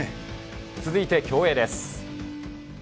続いて競泳です。